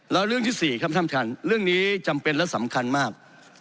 แล้วเรื่องที่๔ครับท่านท่านเรื่องนี้จำเป็นและสำคัญมาก